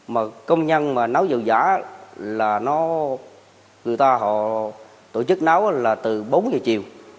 mà công nhân mà nấu rượu giả là nó người ta họ tổ chức nấu là từ bốn giờ chiều